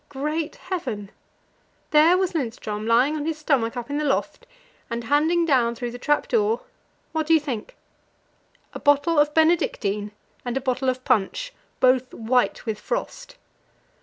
Great Heaven! there was Lindström lying on his stomach up in the loft, and handing down through the trap door what do you think? a bottle of Benedictine and a bottle of punch, both white with frost!